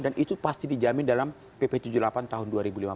itu pasti dijamin dalam pp tujuh puluh delapan tahun dua ribu lima belas